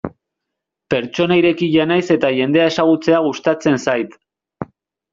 Pertsona irekia naiz eta jendea ezagutzea gustatzen zait.